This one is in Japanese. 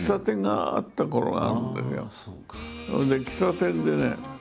それで喫茶店でね